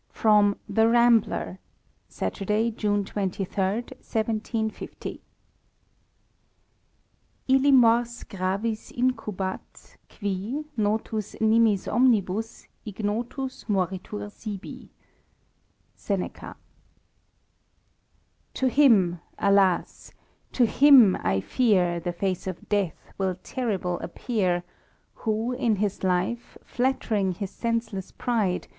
52 THE RAMBLER, Saturday, June 23, 1750. //// mors gravis irtcubcUt Quit notus nimis omnibus^ Ignotus moritur sibi" Seneca. " To him ! alas ! to him, I fear, The face of death will terrible appear. Who in his life, flattering his senseless pride.